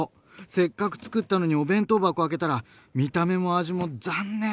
せっかくつくったのにお弁当箱開けたら見た目も味も残念！